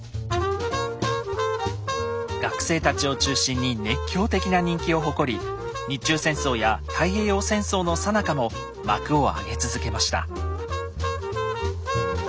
学生たちを中心に熱狂的な人気を誇り日中戦争や太平洋戦争のさなかも幕を上げ続けました。